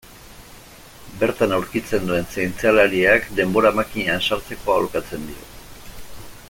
Bertan aurkitzen duen zientzialariak denbora-makinan sartzeko aholkatzen dio.